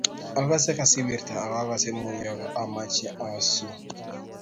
Agose kasirwirto ak agose muyo amache asuu.